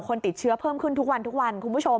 คนติดเชื้อเพิ่มขึ้นทุกวันทุกวันคุณผู้ชม